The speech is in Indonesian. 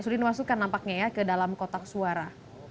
sudah dimasukkan nampaknya ya ke dalam kotak suara